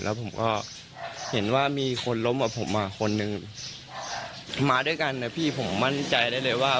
แล้วผมก็เห็นว่ามีคนล้มกับผมคนหนึ่งมาด้วยกันนะพี่ผมมั่นใจได้เลยว่า